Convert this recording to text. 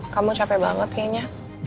kamu capek banget kayaknya